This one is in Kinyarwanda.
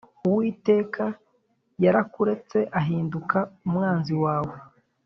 Uwiteka yarakuretse ahinduka umwanzi wawe .